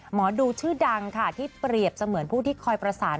หมอดูชื่อดังค่ะที่เปรียบเสมือนผู้ที่คอยประสาน